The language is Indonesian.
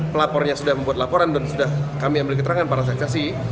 pelapornya sudah membuat laporan dan sudah kami yang memberi keterangan pada seksasi